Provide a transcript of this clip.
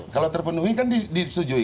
kalau terpenuhi kan disetujui